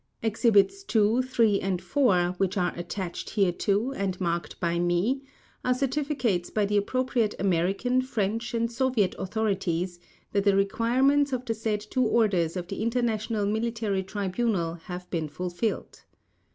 Exhibits II, III and IV which are attached hereto, and marked by me, are certificates by the appropriate American, French and Soviet Authorities that the requirements of the said two orders of the International Military Tribunal have been fulfilled.